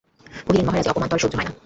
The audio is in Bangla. কহিলেন, মহারাজ, এ অপমান তো আর সহ্য হয় না।